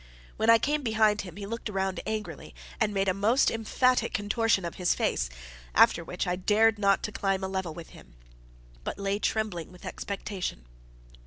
When I came behind him, he looked round angrily, and made a most emphatic contortion of his face; after which I dared not climb to a level with him, but lay trembling with expectation.